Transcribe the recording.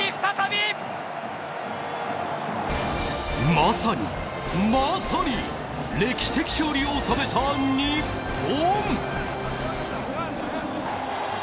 まさに、まさに歴史的勝利を収めた日本！